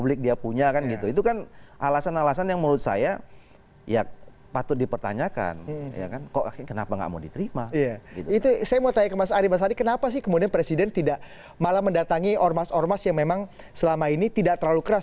itu saya mau tanya ke mas ari mas ari kenapa sih kemudian presiden tidak malah mendatangi ormas ormas yang memang selama ini tidak terlalu keras